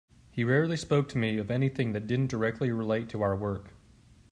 He rarely spoke to me of anything that didn't directly relate to our work.